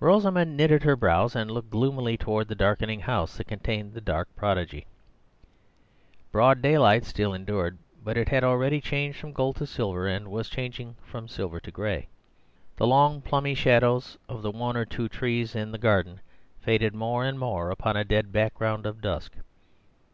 Rosamund knitted her brows and looked gloomily toward the darkening house that contained the dark prodigy. Broad daylight still endured; but it had already changed from gold to silver, and was changing from silver to gray. The long plumy shadows of the one or two trees in the garden faded more and more upon a dead background of dusk.